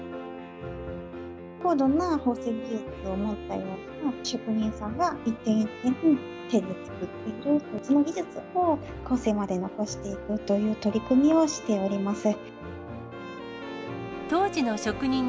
高度な縫製技術を持った職人さんが一点一点、手で作っている、その技術を後世まで残していくという取り組みをしております。